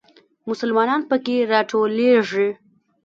مسلمانان په کې راټولېږي.